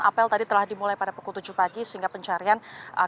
apel tadi telah dimulai pada pukul tujuh pagi sehingga pencarian